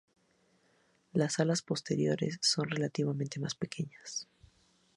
Las alas posteriores son relativamente más pequeñas.